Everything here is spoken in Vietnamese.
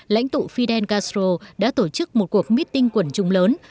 lãnh tụ fidel castro đã tổ chức một cuộc meeting quần trung lớn